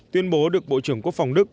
tuyên bố được bộ trưởng quốc phòng đức